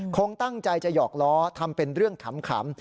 คงตั้งใจจะหยอกล้อทำเป็นเรื่องขำ